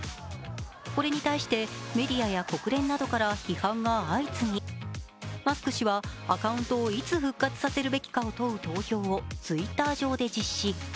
これに対してメディアや国連などから批判が相次ぎ、マスク氏はアカウントをいつ復活させるべきかを問う投票をＴｗｉｔｔｅｒ上で実施。